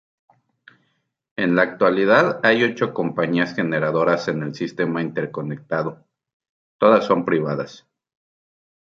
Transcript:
En la actualidad hay ocho compañías generadoras en el sistema interconectado; todas son privadas.